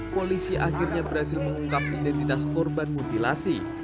polisi akhirnya berhasil mengungkap identitas korban mutilasi